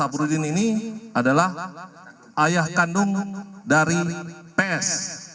abrudin ini adalah ayah kandung dari ps